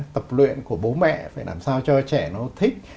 tập luyện của bố mẹ phải làm sao cho trẻ nó thích